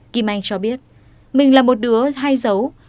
kim anh cho biết mình là một đứa hay giấu